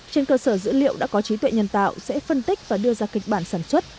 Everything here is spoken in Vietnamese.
trên cơ sở dữ liệu đã có trí tuệ nhân tạo sẽ phân tích và đưa ra kịch bản sản xuất